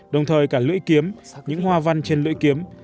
đồng thời cả lưỡi kiếm những hoa văn trên lưỡi kiếm